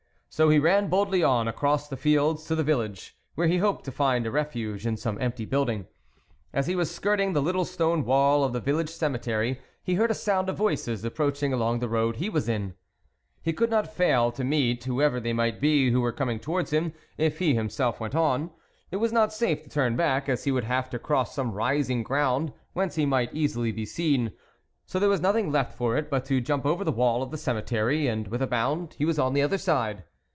So he ran boldly on, across the fields, to the village, where he hoped to find a refuge in some empty building. As he was skirting the little stone wall of the village cemetery, he heard a sound of voices, approaching along the road he was in. He could not fail to meet whoever they might be who were coming towards him, if he himself went on ; it was not safe to turn back, as he would have to cross some rising ground whence he might easily be seen ; so there was nothing left for it but to jump over the wall of the cemetery, and with a bound he was on the other side.